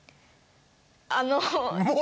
あの。